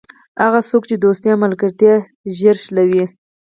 هغه څوک چې دوستي او ملګرتیا ژر شلوي.